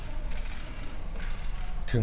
ผมก็เลยไปถามทางคอวเตอร์ว่าไฟล์ทสุดท้ายคือกี่โมง